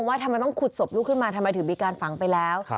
ว่าทำไมต้องขุดศพลูกขึ้นมาทำไมถึงมีการฝังไปแล้ว